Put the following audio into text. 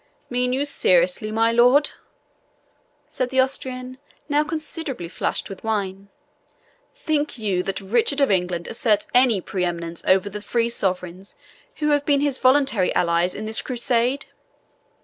"Mean you seriously, my lord?" said the Austrian, now considerably flushed with wine. "Think you that Richard of England asserts any pre eminence over the free sovereigns who have been his voluntary allies in this Crusade?"